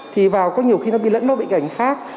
thì vào có nhiều khi nó bị lẫn vào bệnh cảnh khác